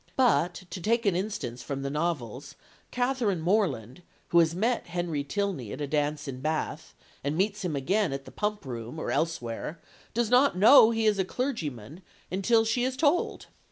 But, to take an instance from the novels, Catherine Morland, who has met Henry Tilney at a dance in Bath, and meets him again at the Pump room or elsewhere, does not know he is a clergyman until she is told.